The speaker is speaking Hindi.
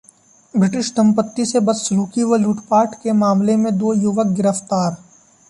ब्रिटिश दंपति से बदसलूकी और लूटपाट के मामले में दो युवक गिरफ्तार